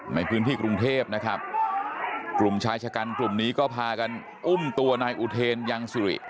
ในพื้นที่กรุงเทพนะครับกลุ่มชายชะกันกลุ่มนี้ก็พากันอุ้มตัวนายอุเทนยังสุริ